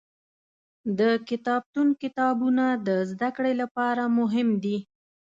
د کتابتون کتابونه د زده کړې لپاره مهم دي.